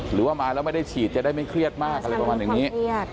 หรือว่ามาแล้วไม่ได้ฉีดจะได้ไม่เครียดมากอะไรประมาณอย่างนี้